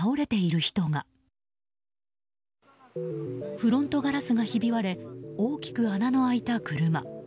フロントガラスがひび割れ大きく穴の開いた車。